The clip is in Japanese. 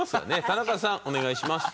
田中さんお願いします。